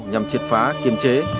nhằm triệt phá kiềm chế